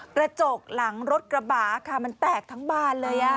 กระจกหลังรถกระบะค่ะมันแตกทั้งบานเลย